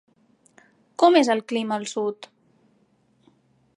Com és el clima al sud?